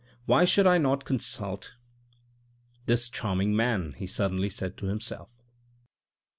" Why should I not consult this charming man," he suddenly said to himself.